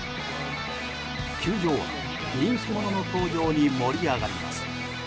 球場は人気者の登場に盛り上がります。